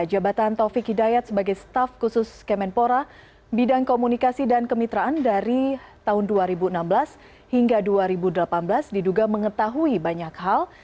jabatan taufik hidayat sebagai staf khusus kemenpora bidang komunikasi dan kemitraan dari tahun dua ribu enam belas hingga dua ribu delapan belas diduga mengetahui banyak hal